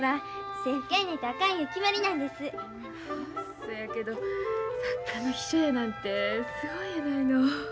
そやけど作家の秘書やなんてすごいやないの。